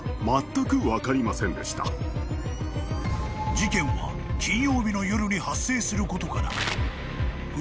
［事件は金曜日の夜に発生することから］